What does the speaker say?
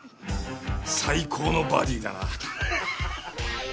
最高のバディだな。